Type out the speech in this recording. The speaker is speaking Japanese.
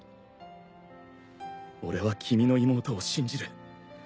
俺は君の妹を信じる。